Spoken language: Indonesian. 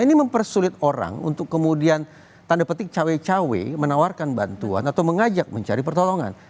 ini mempersulit orang untuk kemudian tanda petik cawe cawe menawarkan bantuan atau mengajak mencari pertolongan